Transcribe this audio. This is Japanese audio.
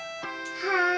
はい！